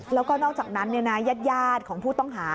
แล้วก็นอกจากนั้นญาติของผู้ต้องหา